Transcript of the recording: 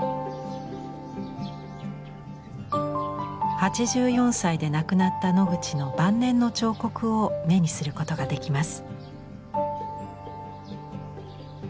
８４歳で亡くなったノグチの晩年の彫刻を目にすることができます。